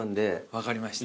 分かりました。